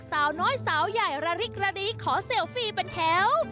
สาวน้อยสาวใหญ่ระริกระดีขอเซลฟี่เป็นแถว